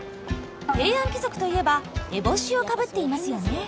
平安貴族といえば烏帽子をかぶっていますよね。